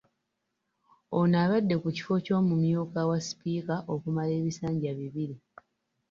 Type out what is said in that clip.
Ono abadde ku kifo ky’omumyuka wa Sipiika okumala ebisanja bibiri.